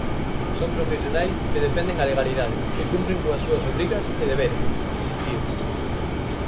"Son profesionais que defenden a legalidade e cumpren coas súas obrigas e deberes", insistiu.